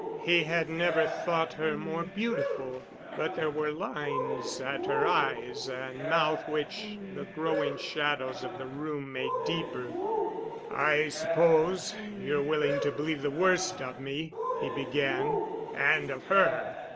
He had never thought her more beautiful, but there were lines at her eyes and mouth which the growing shadows of the room made deeper. "I suppose you're willing to believe the worst of me," he began, "and of her.